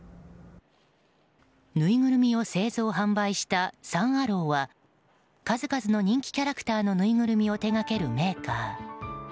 ぬいぐるみを製造・販売したサン・アローは数々の人気キャラクターのぬいぐるみを手掛けるメーカー。